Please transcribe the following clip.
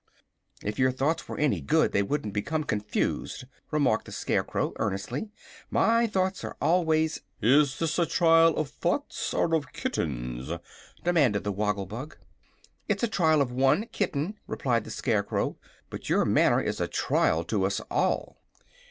"If your thoughts were any good they wouldn't become confused," remarked the Scarecrow, earnestly. "My thoughts are always " "Is this a trial of thoughts, or of kittens?" demanded the Woggle Bug. "It's a trial of one kitten," replied the Scarecrow; "but your manner is a trial to us all."